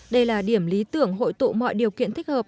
đây là điểm lý tưởng hội tụ mọi điều kiện thích hợp